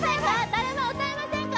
誰も歌えませんか？